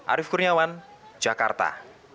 arief kurniawan jakarta